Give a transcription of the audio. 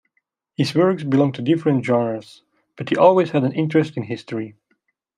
His works belong to different genres but he always had an interest in history.